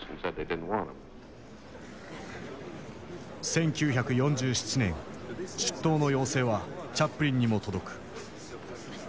１９４７年出頭の要請はチャップリンにも届く。